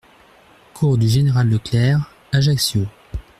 Cours du Général Leclerc, Ajaccio